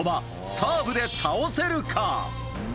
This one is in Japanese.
サーブで倒せるか？